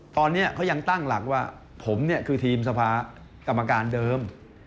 ตอนนี้เขายังตั้งหลักว่าผมเนี่ยคือทีมสภากรรมการเดิม